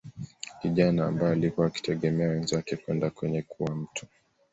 Kijana ambae alikuwa akitegemea wenzake kwenda kwenye kuwa mtu